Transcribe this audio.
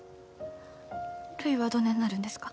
るいはどねんなるんですか？